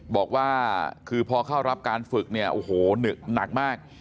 บอกว่าคือพอเข้ารับการฝึกเนี่ยโอ้โหหนักมาก